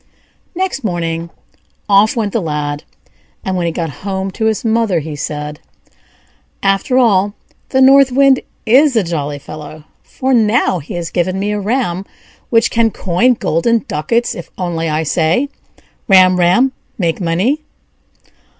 Next morning off went the Lad; and when he got home to his mother, he said: "After all, the North Wind is a jolly fellow; for now he has given me a ram which can coin golden ducats if I only say: 'Ram, ram! make money!'"